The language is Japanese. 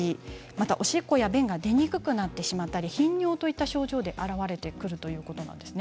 おしっこや便が出にくくなってしまったり頻尿といった症状で表れてくるということなんです。